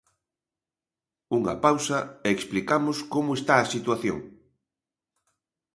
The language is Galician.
Unha pausa e explicamos como está a situación.